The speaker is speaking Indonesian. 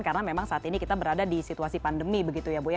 karena memang saat ini kita berada di situasi pandemi begitu ya bu ya